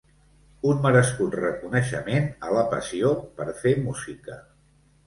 Un merescut reconeixement a la passió per fer música.